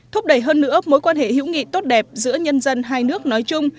thúc đẩy hơn nữa mối quan hệ hữu nghị tốt đẹp giữa nhân dân hai nước nói chung